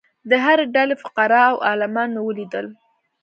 د هرې ډلې فقراء او عالمان مې ولیدل.